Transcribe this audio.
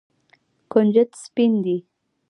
کنجد سپین دي.